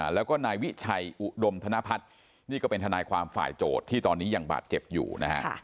แล้วก็นายวิชัยอุดมธนพัฒน์นี่ก็เป็นทนายความฝ่ายโจทย์ที่ตอนนี้ยังบาดเจ็บอยู่นะฮะ